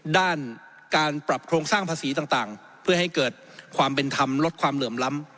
ด้านการปรับโครงสร้างภาษีต่างเพื่อให้เกิดความเป็นธรรมลดความเหลื่อมล้ำ